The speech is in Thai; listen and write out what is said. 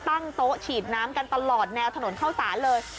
ตั้งโต๊ะฉีดน้ำกันตลอดแนวถนนเข้าสารเลย